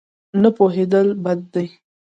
نه پوهېدل بد دی.